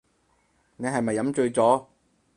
你係咪飲醉咗